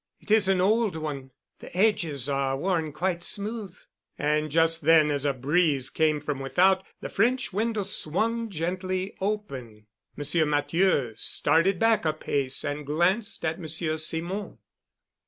"It is an old one. The edges are worn quite smooth." And just then as a breeze came from without, the French window swung gently open. Monsieur Matthieu started back a pace and glanced at Monsieur Simon.